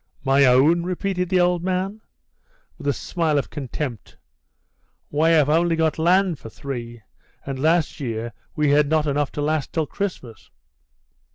"My own?" repeated the old man, with a smile of contempt; "why I have only got land for three, and last year we had not enough to last till Christmas."